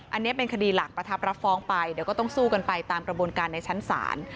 อันนี้เป็นคดีหลักประทับรับฟ้องไปเดี๋ยวก็ต้องสู้กันไปตามกระบวนการในชั้นศาล